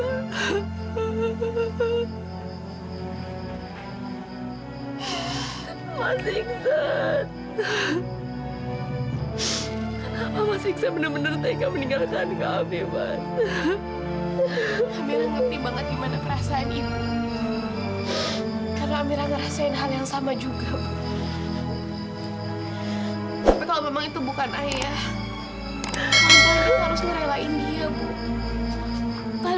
amirah gak mau kalau ayah gak tenang di alam sana